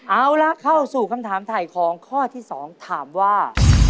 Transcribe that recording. เอาละเข้าสู่คำถามถ่ายของข้อที่๒ถามว่า